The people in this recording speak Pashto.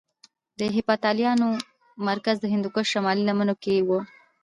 د هېپتاليانو مرکز د هندوکش شمالي لمنو کې کې وو